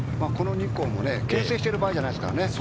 この２校も牽制している場合じゃないですからね。